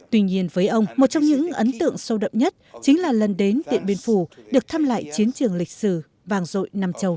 tuy nhiên với ông một trong những ấn tượng sâu đậm nhất chính là lần đến điện biên phủ được thăm lại chiến trường lịch sử vàng rội năm châu